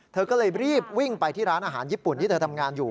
เธอก็เลยรีบวิ่งไปที่ร้านอาหารญี่ปุ่นที่เธอทำงานอยู่